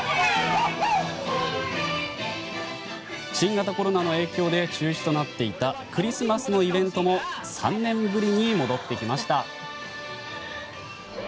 新型コロナの影響で中止となっていたクリスマスのイベントも３年ぶりに戻ってきました。